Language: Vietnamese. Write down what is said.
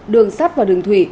đường sắt và đường thủy